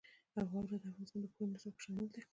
واوره د افغانستان د پوهنې نصاب کې شامل دي.